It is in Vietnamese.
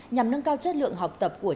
nhằm nâng cao chất lượng học tập và giảng dạy